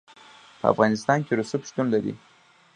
په افغانستان کې رسوب شتون لري.